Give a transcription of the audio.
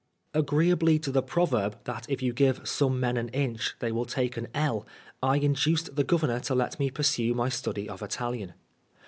Agreeably to the proverb that if you give some men an inch they will take an ell, I induced the Governor to let me pursue my study of Italian.